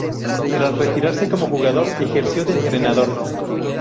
Tras retirarse como jugador ejerció de entrenador.